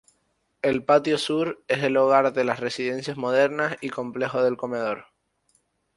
El "Patio Sur" es el hogar de las residencias modernas y complejo del comedor.